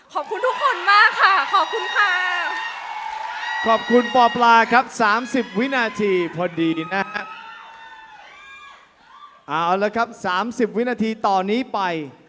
ขอบคุณทุกคนมากค่ะ